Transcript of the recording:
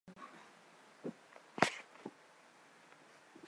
微型滨瘤海葵为蠕形海葵科滨瘤海葵属的动物。